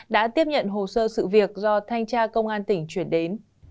đã tiếp nhận hồ sơ sự việc do thanh tra công an tỉnh chuyển đến